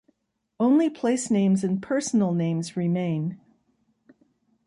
Only place-names and personal names remain.